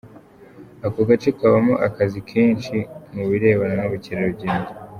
Ako gace kabamo akazi kenshi mu birebana n’ubukerarugendo.